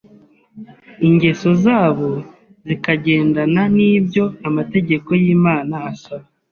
ingeso zabo zikagendana n’ibyo amategeko y’Imana asaba